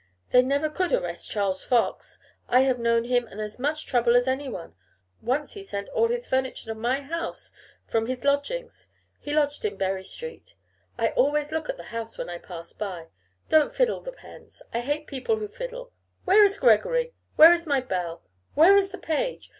They never could arrest Charles Fox. I have known him in as much trouble as anyone. Once he sent all his furniture to my house from his lodgings. He lodged in Bury street. I always look at the house when I pass by. Don't fiddle the pens; I hate people who fiddle. Where is Gregory? where is my bell' Where is the page?